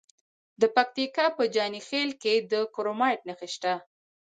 د پکتیکا په جاني خیل کې د کرومایټ نښې شته.